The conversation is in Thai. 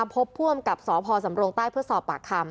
พบพ่วนกับสภสำรงค์ใต้เพื่อสอบปากคำ